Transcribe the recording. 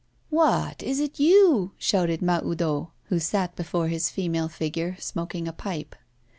'What! is it you?' shouted Mahoudeau, who sat before his female figure, smoking a pipe.